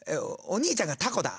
お兄ちゃんがたこだ。